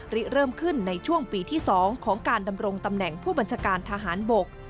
เริ่มขึ้นในช่วงปีที่๒ของการดำรงตำแหน่งผู้บัญชาการทหารบก